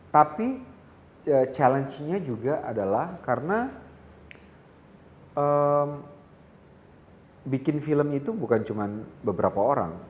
tapi challenge nya juga adalah karena bikin film itu bukan cuma beberapa orang